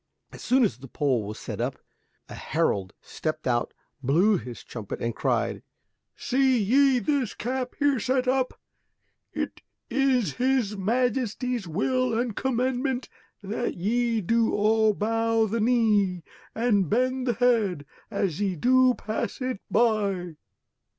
As soon as the pole was set up a herald stepped out, blew his trumpet and cried, "Se ye this cap here set up? It is his Majesty's will and commandment that ye do all bow the knee and bend the head as ye do pass it by."